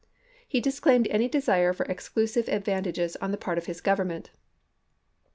He disclaimed any desire for exckisive ad vantages on the part of his Government.